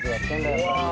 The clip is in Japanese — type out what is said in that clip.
うわ！